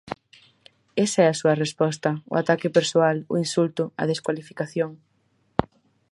Esa é a súa resposta, o ataque persoal, o insulto, a descualificación.